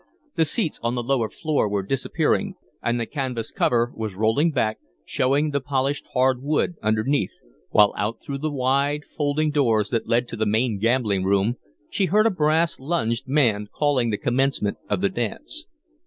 The seats on the lower floor were disappearing, and the canvas cover was rolling back, showing the polished hardwood underneath, while out through the wide folding doors that led to the main gambling room she heard a brass lunged man calling the commencement of the dance.